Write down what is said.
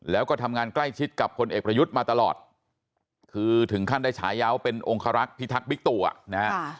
แล้วก็ทำงานใกล้ชิดกับคนเอกประยุทธ์มาตลอดคือถึงขั้นได้ฉายาวเป็นองคารักษ์พิทักษบิ๊กตูอ่ะนะฮะ